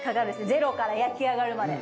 ゼロから焼き上がるまで。